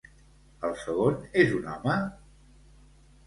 El segon és un home?